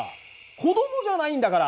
子どもじゃないんだから。